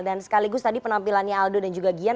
dan sekaligus tadi penampilannya aldo dan juga gyan